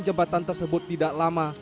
jembatan tersebut tidak lama